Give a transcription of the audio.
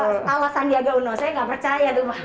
kalau san diego uno saya nggak percaya tuh pak